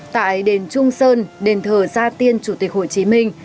tại đền trung sơn đền thờ gia tiên chủ tịch hồ chí minh